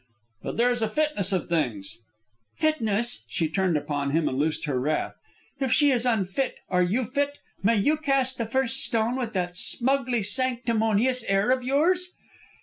"But there is a fitness of things " "Fitness!" She turned upon him and loosed her wrath. "If she is unfit, are you fit? May you cast the first stone with that smugly sanctimonious air of yours?"